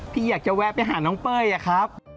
พี่อยากจะแวะไปหาน้องเป้ยอะครับ